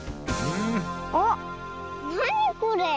おっなにこれ？